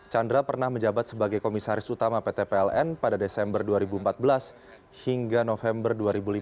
chandra pernah menjabat sebagai komisaris utama pt pln pada desember dua ribu empat belas hingga november dua ribu lima belas